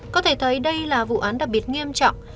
có thể thấy đây là vụ án đặc biệt nghiêm trọng